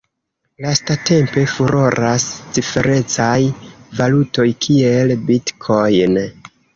Lastatempe furoras ciferecaj valutoj kiel Bitcoin.